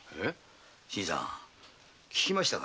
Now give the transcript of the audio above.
新さん聞きましたか。